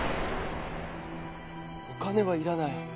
お金はいらない。